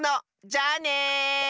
じゃあね！